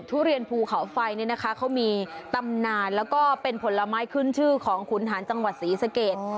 ทุเรียนภูเขาไฟเนี่ยนะคะเขามีตำนานแล้วก็เป็นผลไม้ขึ้นชื่อของขุนหารจังหวัดศรีสเกต